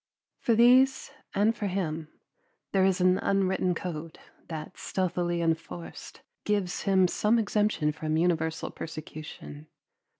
For these and for him there is an unwritten code that, stealthily enforced, gives him some exemption from universal persecution.